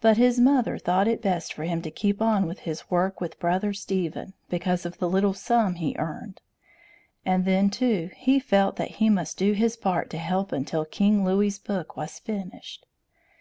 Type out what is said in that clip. But his mother thought it best for him to keep on with his work with Brother Stephen, because of the little sum he earned; and then, too, he felt that he must do his part to help until King Louis's book was finished.